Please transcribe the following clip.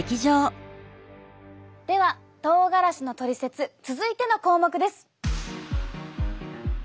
ではとうがらしのトリセツ続いての項目です！